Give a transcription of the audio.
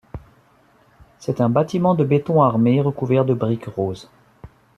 C'est un bâtiment de béton armé recouvert de briques roses.